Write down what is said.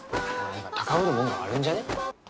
なんか高ぶるもんがあるんじゃね